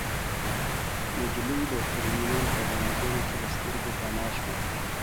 نجلۍ د ترمینل په ګڼه ګوڼه کې له سترګو پناه شوه.